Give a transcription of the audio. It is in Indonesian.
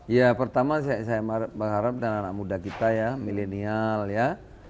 ya pertama saya berharap dengan anak muda kita ya milenial ya